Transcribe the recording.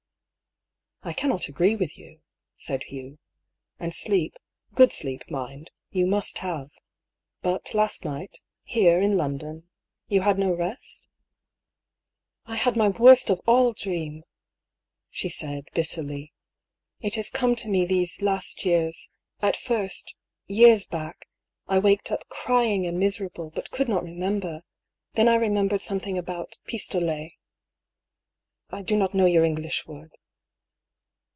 " I cannot agree with you," said Hugh. " And sleep — good sleep, mind — you must have. But last night — here, in London, — you had no rest? " 206 ^^ PAULL'S THEORY. " I had my worst of all dream !" she said, bitterly. " It has come to me these last years : at first — ^years back — I waked up crying and miserable, but could not re member. Then I remembered something about pistolets, I do not know your English word."